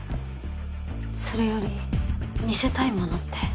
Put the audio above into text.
それより見せたいものって？